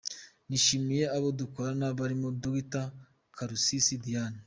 Nishimiye abo dukorana barimo Dr Karusisi Diane.